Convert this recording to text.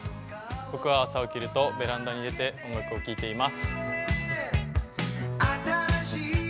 僕は朝、起きるとベランダに出て音楽を聴いています。